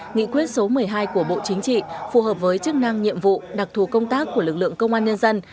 nghị quyết số một mươi hai của bộ chính trị phù hợp với chức năng nhiệm vụ đặc thù công tác của lực lượng công an nhân dân